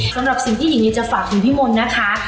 สำหรับสิ่งที่หญิงลีจะฝากถึงพี่มนต์นะคะ